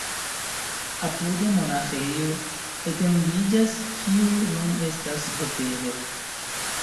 Apude monaĥejo etendiĝas, kiu nun estas hotelo.